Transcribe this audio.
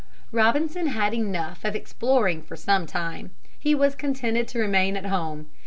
Robinson had enough of exploring for some time. He was contented to remain at home.